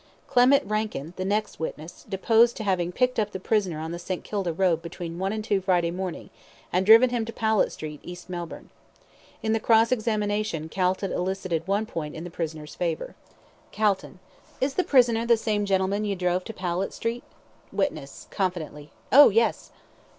Clement Rankin, the next witness, deposed to having picked up the prisoner on the St. Kilda Road between one and two on Friday morning, and driven him to Powlett Street, East Melbourne. In the cross examination, Calton elicited one point in the prisoner's favour. CALTON: Is the prisoner the same gentleman you drove to Powlett Street? WITNESS (confidently): Oh, yes.